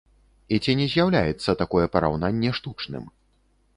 І ці не з'яўляецца такое параўнанне штучным?